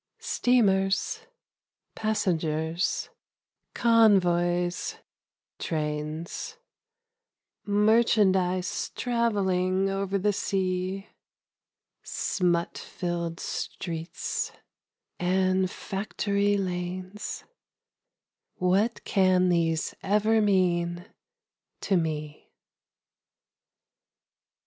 Steamers, passengers, convoys, trains, Merchandise travelling over the sea ; Smut filled streets and factory lanes, What can these ever mean to me